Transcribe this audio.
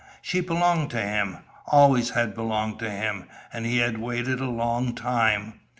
She belonged to him. Always had belonged to him, and he had waited a long time.